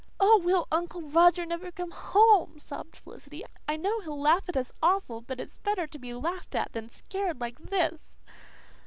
"Oh, will Uncle Roger never come home!" sobbed Felicity. "I know he'll laugh at us awful, but it's better to be laughed at than scared like this."